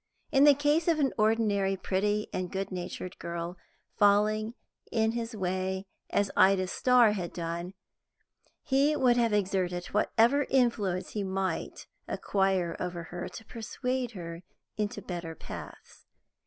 In the case of an ordinary pretty and good natured girl falling in his way as Ida Starr had done, he would have exerted whatever influence he might acquire over her to persuade her into better paths.